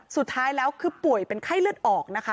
สุดท้ายแล้วคือป่วยเป็นไข้เลือดออกนะคะ